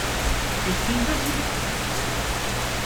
Yeqqim d ajedid usmekti.